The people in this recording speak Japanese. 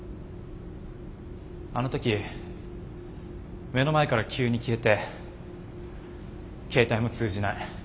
あの時目の前から急に消えて携帯も通じない。